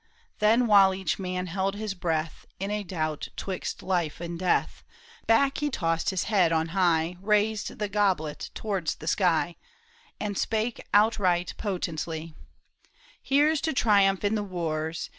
Then while each man held his breath In a doubt 'twixt life and death, Back he tossed his head on high, Raised the goblet towards the sky, And spake out right potently :*' Here's to triumph in the wars